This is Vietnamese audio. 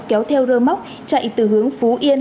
kéo theo rơ móc chạy từ hướng phú yên